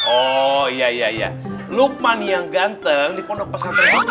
oh iya ya lutut ganteng itu pesan